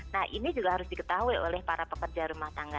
nah ini juga harus diketahui oleh para pekerja rumah tangga